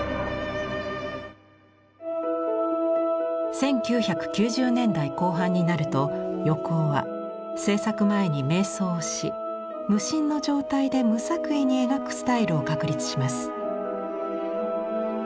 １９９０年代後半になると横尾は制作前に瞑想をし無心の状態で無作為に描くスタイルを確立します。